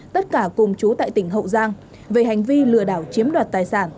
tất cả cùng chú tại tỉnh hậu giang về hành vi lừa đảo chiếm đoạt tài sản